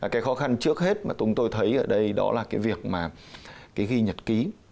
cái khó khăn trước hết mà chúng tôi thấy ở đây đó là cái việc mà cái ghi nhật ký